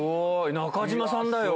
中島さんだよ。